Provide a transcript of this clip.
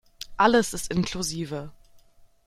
Alles ist inklusive.